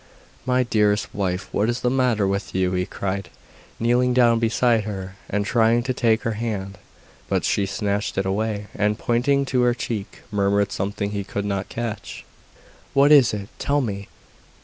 'My dearest wife, what is the matter with you?' he cried, kneeling down beside her, and trying to take her hand; but she snatched it away, and pointing to her cheek murmured something he could not catch. 'What is it? tell me!